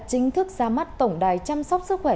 chính thức ra mắt tổng đài chăm sóc sức khỏe